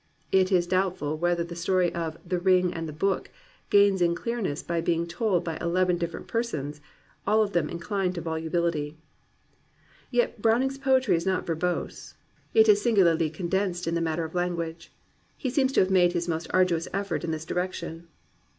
It is doubtful whether the story of The Ring and the Book gains in clearness by being told by eleven dif ferent persons, all of them inclined to volubility. Yet Browning's poetry is not verbose. It is singu larly condensed in the matter of language. He seems to have made his most arduous effort in this direc tion.